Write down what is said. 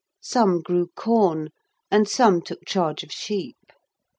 Some grew corn, and some took charge of sheep.